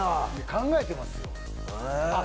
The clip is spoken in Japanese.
考えてますよ！